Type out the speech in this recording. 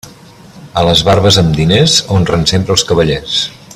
A les barbes amb diners honren sempre els cavallers.